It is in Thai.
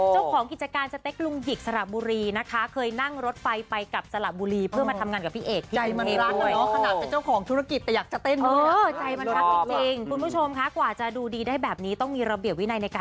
เจ้าของกิจการสเต็กลุงหยิกสระบุรีนะคะ